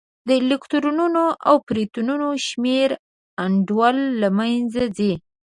د الکترونونو او پروتونونو شمېر انډول له منځه ځي.